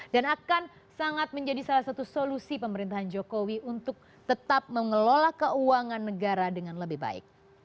dan akan sangat menjadi salah satu solusi pemerintahan jokowi untuk tetap mengelola keuangan negara dengan lebih baik